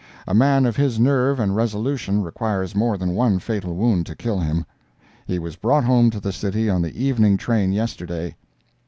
A man of his nerve and resolution requires more than one fatal wound to kill him. He was brought home to the city on the evening train yesterday.